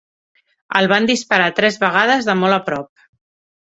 El van disparar tres vegades de molt a prop.